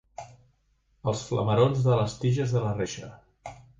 Els flamerons de les tiges de la reixa.